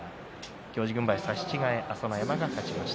行司軍配差し違えで朝乃山が勝っています。